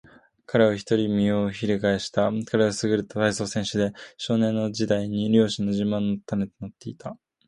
彼はひらりと身をひるがえした。彼はすぐれた体操選手で、少年時代には両親の自慢の種になっていた。